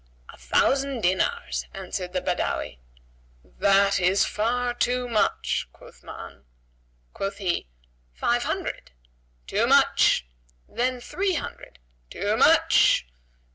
"A thousand dinars," answered the Badawi. "This is far too much," quoth Ma'an. Quoth he, "Five hundred." "Too much!" "Then three hundred." "Too much!"